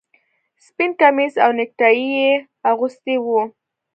سپین کمیس او نیکټايي یې اغوستي وو